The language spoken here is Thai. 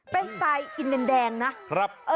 เป็นสไตล์อินเดียนแดงนะ